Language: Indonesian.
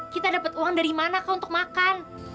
kita dapat uang dari mana kok untuk makan